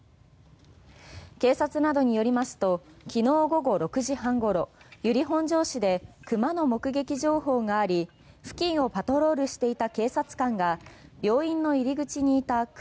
警察などによりますときのう午後６時半ごろ由利本荘市で熊の目撃情報があり付近をパトロールしていた警察官が病院の入口にいた熊